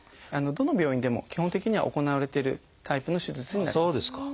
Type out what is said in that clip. どの病院でも基本的には行われてるタイプの手術になります。